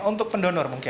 untuk pendonor mungkin